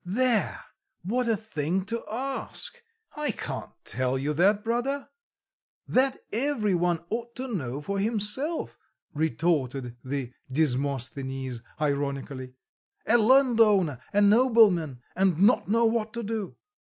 "There, what a thing to ask! I can't tell you that brother; that every one ought to know for himself," retorted the Desmosthenes ironically. "A landowner, a nobleman, and not know what to do?